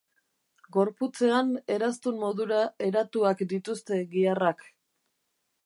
Gorputzean eraztun modura eratuak dituzte giharrak.